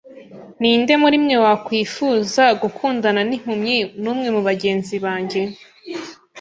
Ninde muri mwe wakwifuza gukundana nimpumyi numwe mubagenzi banjye?